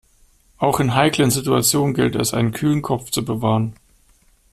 Auch in heiklen Situationen gilt es, einen kühlen Kopf zu bewahren.